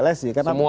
semua pilkada jawa